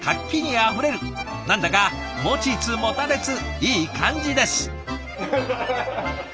何だか持ちつ持たれついい感じです。